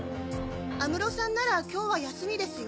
安室さんなら今日は休みですよ。